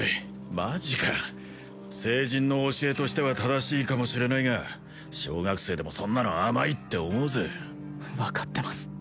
マジか聖人の教えとしては正しいかもしれないが小学生でもそんなの甘いって思うぜ分かってます